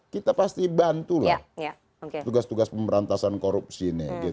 kita pasti bantulah tugas tugas pemberantasan korupsi ini